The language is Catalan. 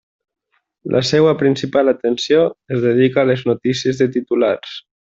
La seua principal atenció es dedica a les notícies de titulars.